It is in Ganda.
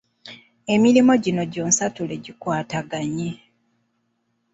Emirimo gino gyonsatule gikwataganye.